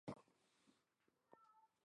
鲍博什德布雷泰。